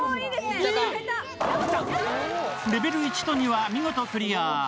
レベル１と２は見事クリア。